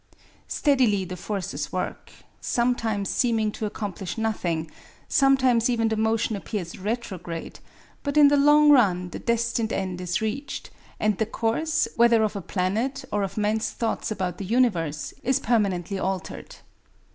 _ Steadily the forces work, sometimes seeming to accomplish nothing; sometimes even the motion appears retrograde; but in the long run the destined end is reached, and the course, whether of a planet or of men's thoughts about the universe, is permanently altered.